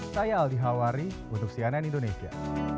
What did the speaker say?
saya aldi hawari untuk cnn indonesia